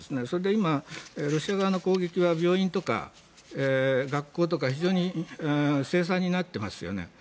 それで今、ロシア側の攻撃は病院とか学校とか非常に凄惨になっていますよね。